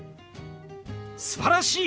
すばらしい！